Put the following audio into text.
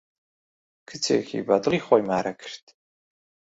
کچێکی بە دڵی خۆی مارە کرد.